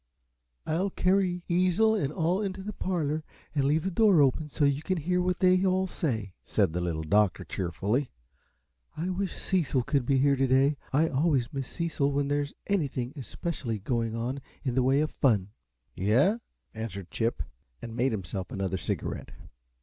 "I'll carry easel and all into the parlor, and leave the door open so you can hear what they all say," said the Little Doctor, cheerfully. "I wish Cecil could be here to day. I always miss Cecil when there's anything especial going on in the way of fun." "Yes?" answered Chip, and made himself another cigarette.